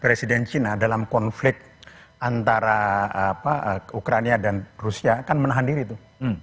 presiden china dalam konflik antara ukraina dan rusia kan menahan diri tuh